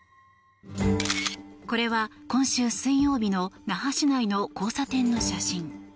これは今週水曜日の那覇市内の交差点の写真。